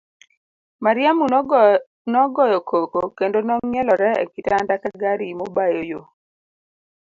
Mariamu nogoyo koko kendo nong'ielore e kitanda ka gari mobayo yoo.